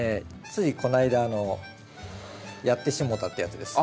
ついこないだやってしもたってやつです。